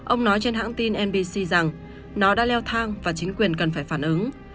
ông nói trên hãng tin mbc rằng nó đã leo thang và chính quyền cần phải phản ứng